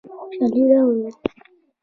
خوشحالي راوړو.